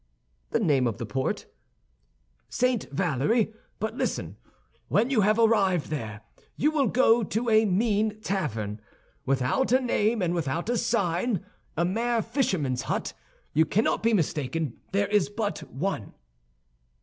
"The name of that port?" "St. Valery; but listen. When you have arrived there you will go to a mean tavern, without a name and without a sign—a mere fisherman's hut. You cannot be mistaken; there is but one."